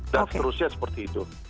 dan seterusnya seperti itu